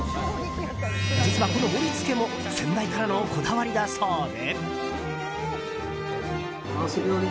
実は、この盛り付けも先代からのこだわりだそうで。